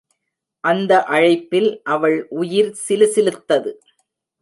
அந்த அழைப்பில் அவள் உயிர் சிலு சிலுத்தது.